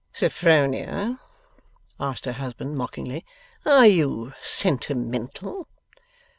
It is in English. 'Sophronia,' asked her husband, mockingly, 'are you sentimental?